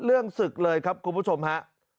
เรื่องศึกเลยครับคุณผู้ชมฮะ